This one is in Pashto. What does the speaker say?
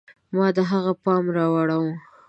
ما د هغه پام را واړوه.